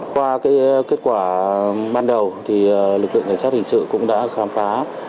qua kết quả ban đầu lực lượng cảnh sát hình sự cũng đã khám phá